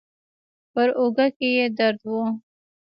پر اوږه کې يې درد و.